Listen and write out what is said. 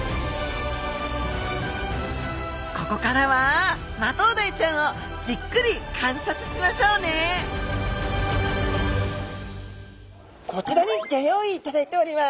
ここからはマトウダイちゃんをじっくり観察しましょうねこちらにギョ用意いただいております。